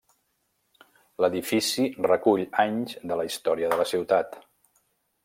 L'edifici recull anys de la història de la ciutat.